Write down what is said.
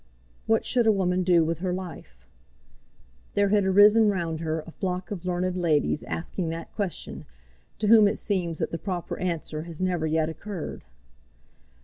What should a woman do with her life? There had arisen round her a flock of learned ladies asking that question, to whom it seems that the proper answer has never yet occurred.